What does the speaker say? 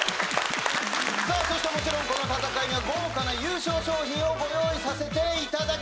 さあそしてもちろんこの戦いには豪華な優勝賞品をご用意させていただきました。